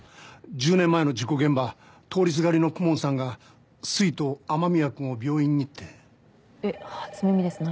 １０年前の事故現場通りすがりの公文さんがすいと雨宮君を病院にってえっ初耳です何？